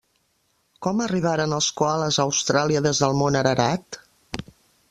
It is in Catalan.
Com arribaren els coales a Austràlia des del mont Ararat?